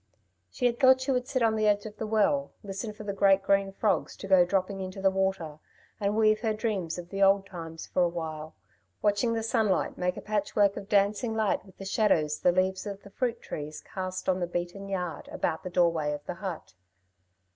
She had thought she would sit on the edge of the well, listen for the great green frogs to go dropping into the water, and weave her dreams of the old times for awhile, watching the sunlight make a patchwork of dancing light with the shadows the leaves of the fruit trees cast on the beaten yard about the doorway of the hut.